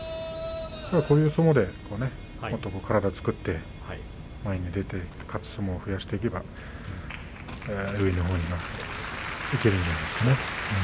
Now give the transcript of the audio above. こういう相撲でもっと体を作って前に出て勝つ相撲を増やしていけば上のほうにはいけるんじゃないですかね。